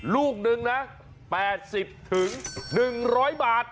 ลูกนึงนะ๘๐๑๐๐บาท